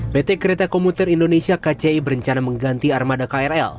pt kereta komuter indonesia kci berencana mengganti armada krl